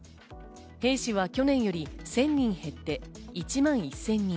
兵士は去年より１０００人減って１万１０００人。